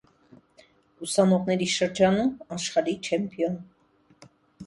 Ուսանողների շրջանում աշխարհի չեմպիոն։